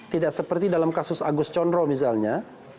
tidak seperti dalam kasus agus condro misalnya